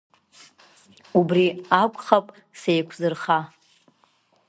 Убри акәхап сеиқәзырха…